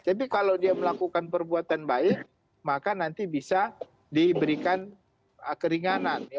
tapi kalau dia melakukan perbuatan baik maka nanti bisa diberikan keringanan